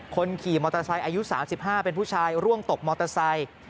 คนขี่มอเตอร์ไซค์อายุ๓๕เป็นผู้ชายร่วงตกมอเตอร์ไซค์